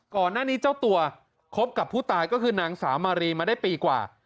ก่อนหน้านี้เจ้าตัวคบกับผู้ตายก็คือนางสาวมารีมาได้ปีกว่า